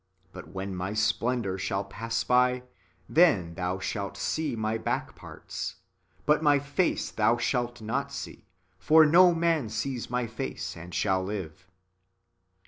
But when my splendour shall pass by, then thou shalt see my back parts, but my face thou shalt not see : for no man sees my face, and shall live."